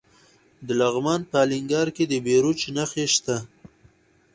د لغمان په الینګار کې د بیروج نښې شته.